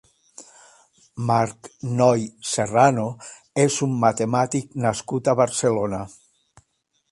Marc Noy Serrano és un matemàtic nascut a Barcelona.